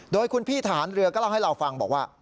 โดยคุณพี่ทหารเรือก็เล่าให้เราฟังบอกว่า